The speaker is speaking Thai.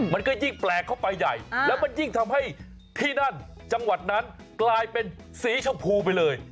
มันก็ยิ่งแปลกเข้าไปใหญ่แล้วมันยิ่งทำให้ที่นั่นจังหวัดนั้นกลายเป็นสีชมพูไปเลย